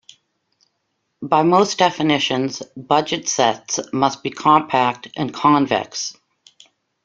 By most definitions, budget sets must be compact and convex.